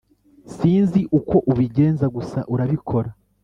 Sinzi uko ubigenza gusa urabikora